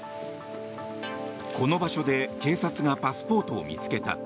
この場所で警察がパスポートを見つけた。